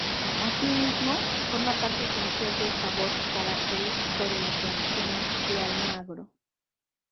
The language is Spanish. Asimismo, forma parte esencial del sabor característico de las Berenjenas de Almagro.